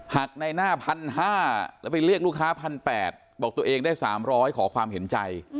หักในหน้าพันห้าแล้วไปเรียกลูกค้าพันแปดบอกตัวเองได้สามร้อยขอความเห็นใจ